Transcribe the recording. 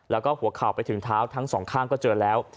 แล้วก็หัวเข่าไปถึงเท้าทั้งสองข้างก็เจอแล้ว